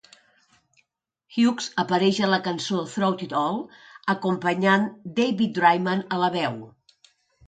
Hughes apareix a la cançó "Through It All" acompanyant David Draiman a la veu.